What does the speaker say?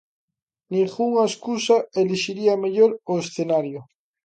Ningunha escusa elixiría mellor o escenario: